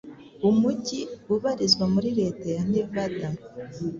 umujyi ubarizwa muri Leta ya Nevada,